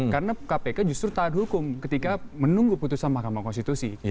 karena kpk justru taat hukum ketika menunggu putusan mahkamah konstitusi